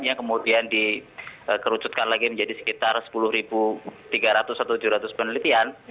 yang kemudian dikerucutkan lagi menjadi sekitar sepuluh tiga ratus atau tujuh ratus penelitian